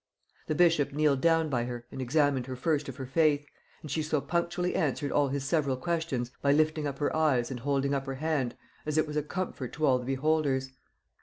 The bishop kneeled down by her and examined her first of her faith; and she so punctually answered all his several questions, by lifting up her eyes and holding up her hand, as it was a comfort to all the beholders....